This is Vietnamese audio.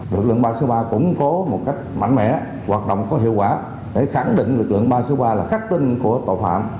lực lượng ba trăm sáu mươi ba củng cố một cách mạnh mẽ hoạt động có hiệu quả để khẳng định lực lượng ba trăm sáu mươi ba là khắc tinh của tội phạm